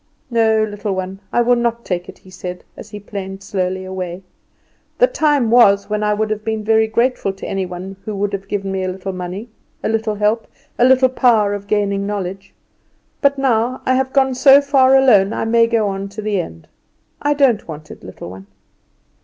"No, little one, I will not take it," he said, as he planed slowly away; "the time was when I would have been very grateful to any one who would have given me a little money, a little help, a little power of gaining knowledge. But now, I have gone so far alone I may go on to the end. I don't want it, little one."